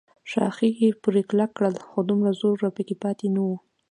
ښاخې پورې کلک کړل، خو دومره زور راپکې پاتې نه و.